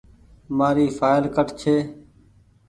مآريِ ڦآئل ڪٺ ڇي۔